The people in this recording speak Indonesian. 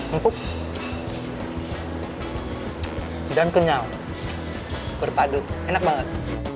empuk dan kenyal berpadu enak banget